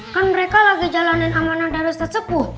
kan mereka lagi jalanin amanah dari ustadz sepuh